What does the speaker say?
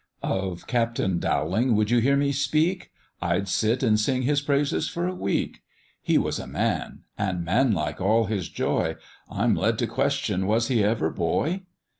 "Of Captain Dowling would you hear me speak? I'd sit and sing his praises for a week: He was a man, and man like all his joy, I'm led to question was he ever boy?